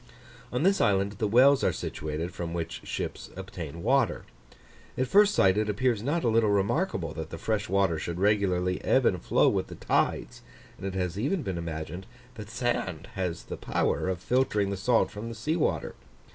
On this island the wells are situated, from which ships obtain water. At first sight it appears not a little remarkable that the fresh water should regularly ebb and flow with the tides; and it has even been imagined, that sand has the power of filtering the salt from the sea water.